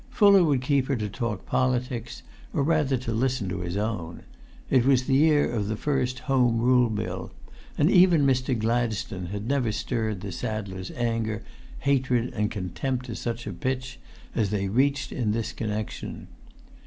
Fuller would keep her to talk politics, or rather to listen to his own: it was the year of the first Home Rule Bill, and even Mr. Gladstone had never stirred the saddler's anger, hatred and contempt to such a pitch as they reached in this connection.